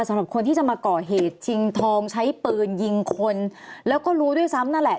สำหรับคนที่จะมาก่อเหตุชิงทองใช้ปืนยิงคนแล้วก็รู้ด้วยซ้ำนั่นแหละ